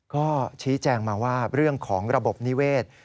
ก็ชี้แจงมาว่าเรื่องของระบบนิเวศ